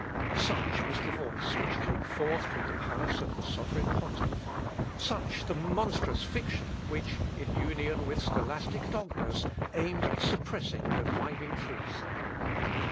Such was the voice which came forth from the palace of the sovereign pontiff, such the monstrous fiction which, in union with scholastic dogmas, aimed at suppressing reviving truth.